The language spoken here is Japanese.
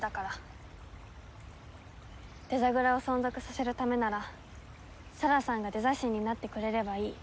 デザグラを存続させるためなら沙羅さんがデザ神になってくれればいい。